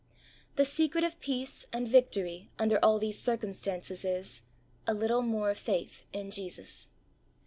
The secret of peace and victory under all these circum stances is "a little more faith in Jesus."